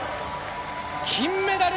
金メダル！